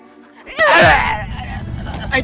sophia punya kakak gak sih